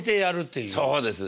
そうです。